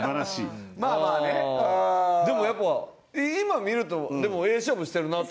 でもやっぱ今見るとええ勝負してるなと。